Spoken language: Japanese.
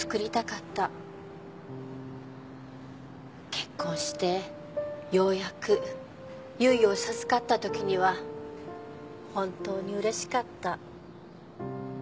結婚してようやく結衣を授かったときには本当にうれしかった。